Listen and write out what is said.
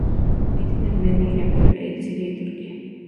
Habita en Armenia, Irak, Israel, Siria y Turquía.